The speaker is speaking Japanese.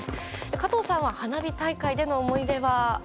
加藤さんは花火大会での思い出は？